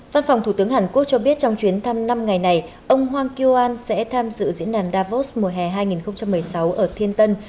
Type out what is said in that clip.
văn phòng thủ tướng hàn quốc cho biết trong chuyến thăm năm ngày này ông hang kyuan sẽ tham dự diễn đàn davos mùa hè hai nghìn một mươi sáu ở thiên tân